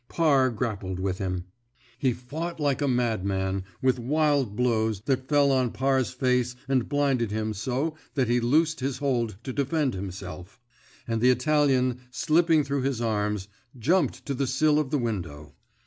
Parr grappled with him. He fought like a madman, with wild blows that fell on Parr's face and blinded him so that he loosed his hold to defend himself; and the Italian, slipping through his arms, jumped to the sill of the window.